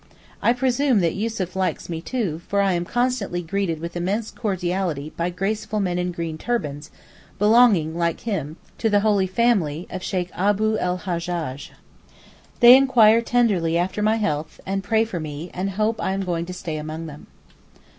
I presume that Yussuf likes me too, for I am constantly greeted with immense cordiality by graceful men in green turbans, belonging, like him, to the holy family of Sheykh Abu 'l Hajjaj. They inquire tenderly after my health, and pray for me, and hope I am going to stay among them.